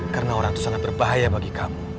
karena orang itu sangat berbahaya bagi kamu